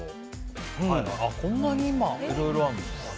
こんなに今、いろいろあるんだ。